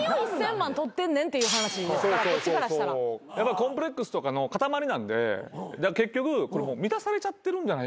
コンプレックスとかの塊なんで結局満たされちゃってるんじゃないかなっていう。